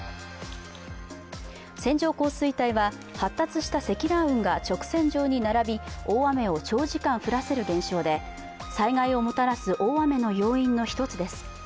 線状降水帯は発達した積乱雲が直線状に並び大雨を長時間降らせる現象で災害をもたらす大雨の要因の一つです。